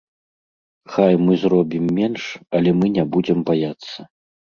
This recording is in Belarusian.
Хай мы заробім менш, але мы не будзем баяцца.